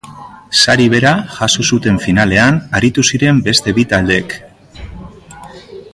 Sari bera jaso zuten finalean aritu ziren beste bi taldeek.